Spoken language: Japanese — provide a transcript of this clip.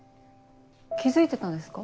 気付いてたんですか？